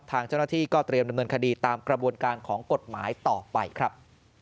ทางเจ้าหน้าที่ก็เตรียมดำเนินคดีตามกระบวนการของกฎหมายต่อไปครับ